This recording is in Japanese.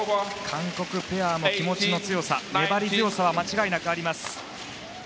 韓国ペアも気持ちの強さ粘り強さは間違いなくあります。